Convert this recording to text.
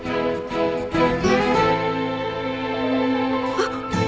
あっ！